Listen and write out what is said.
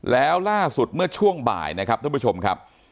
แล้วล่าสุดเมื่อช่วงบ่ายนะครับท่านผู้ชมครับ